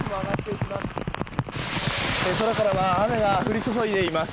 空からは雨が降り注いでいます。